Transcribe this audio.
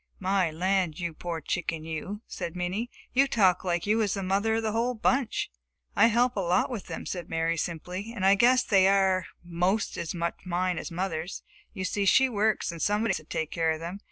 "My land, you poor chicken, you!" said Minnie. "You talk like you was the mother of the whole bunch!" "I help a lot with them," said Mary simply, "and I guess they are 'most as much mine as mother's. You see she works and somebody has to take care of them.